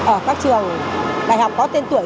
ở các trường đại học có tên tuệ